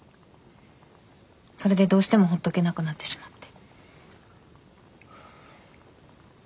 それでどうしても放っておけなくなってしまって。